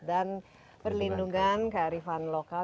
dan perlindungan kearifan lokal